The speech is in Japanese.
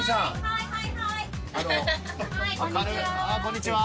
はいこんにちは。